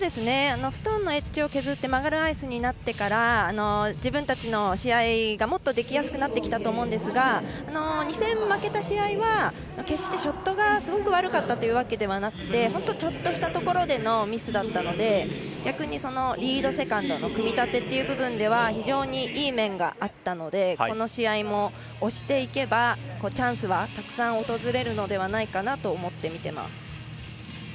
ストーンのエッジを削って曲がるアイスになってから自分たちの試合がもっとできやすくなってきたと思うんですが２戦、負けた試合は決してショットがすごく悪かったというわけではなくて本当にちょっとしたところでのミスだったので逆にリード、セカンドの組み立てという部分では非常にいい面があったのでこの試合も押していけばチャンスはたくさん訪れるのではないかなと思って見ています。